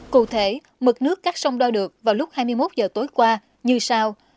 cụ thể mực nước các sông đo được vào lúc hai mươi một h tối qua như sau